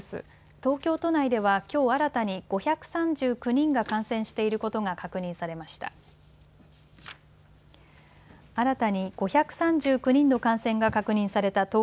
東京都内ではきょう新たに５３９人が感染していることが確認されました。